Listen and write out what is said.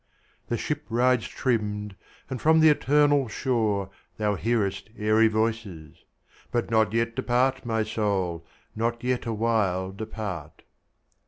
The ship rides trimmed, and from the eternal shore Thou hearest airy voices; but not yet Depart, my soul, not yet awhile depart.